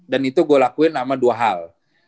dan itu gue lakuin sama dua hal